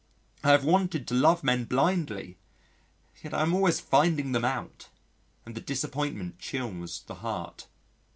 I have wanted to love men blindly, yet I am always finding them out, and the disappointment chills the heart.